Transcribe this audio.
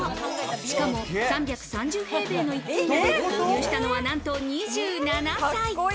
しかも３３０平米の一軒家を購入したのは何と２７歳。